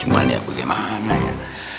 cuma ya bagaimana ya